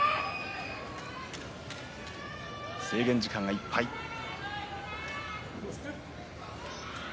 制限時間いっぱいです。